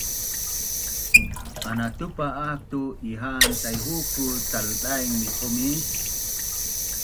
Anatupa aak tu ihaan Taihuku taldaing miqumis